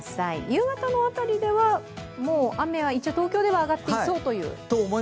夕方の辺りでは雨は東京では上がっていそうという？